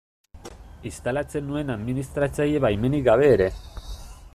Instalatzen nuen administratzaile baimenik gabe ere.